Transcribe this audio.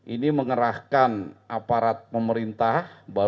ini mengerahkan aparat pemerintah